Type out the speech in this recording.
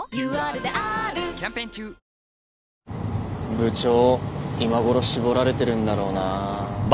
部長今ごろ絞られてるんだろうなぁ。